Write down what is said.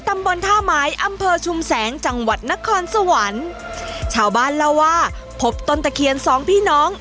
ตำบลท่าไม้อำเภอชุมแสงจังหวัดนครสวรรค์ชาวบ้านเล่าว่าพบต้นตะเคียนสองพี่น้อง